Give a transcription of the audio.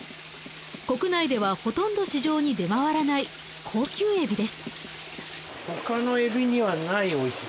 国内ではほとんど市場に出回らない高級エビです。